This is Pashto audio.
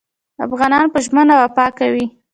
افغانان په ژمنه وفا کوي.